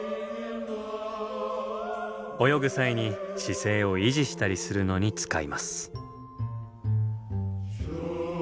泳ぐ際に姿勢を維持したりするのに使います。